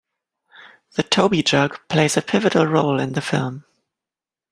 The Toby Jug plays a pivotal role in the film.